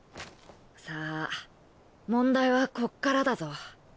さぁ問題はこっからだぞ。